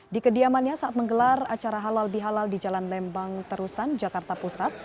di kediamannya saat menggelar acara halal bihalal di jalan lembang terusan jakarta pusat